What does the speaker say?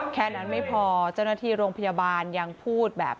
แค่นั้นไม่พอเจ้าหน้าที่โรงพยาบาลยังพูดแบบ